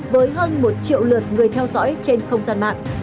với hơn một triệu lượt người theo dõi trên không gian mạng